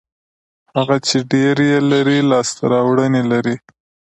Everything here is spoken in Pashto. هغه چې ډېر یې لري لاسته راوړنې لري.